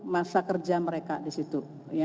masa kerja mereka disitu